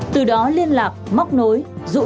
từ đó liên lạc móc nối